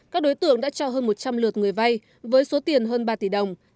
các đối tượng đã cho hơn một trăm linh lượt người vay với số tiền hơn ba tỷ đồng